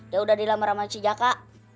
dia udah dilamar sama si jaka